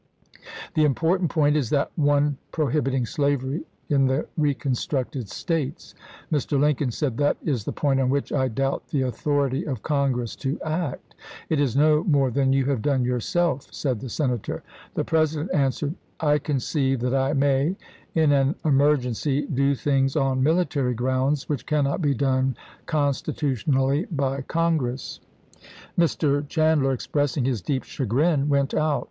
The important point is that one prohibiting slavery in the reconstructed States." Mr. Lincoln said: "That is the point on which I doubt the authority of Congress to act." "It is no more than you have done yourself," said the Sena tor. The President answered :" I conceive that I may in an emergency do things on military grounds which cannot be done constitutionally by Congress." THE WADE DAVIS MANIFESTO 121 Mr. Chandler, expressing his deep chagrin, went out, chap.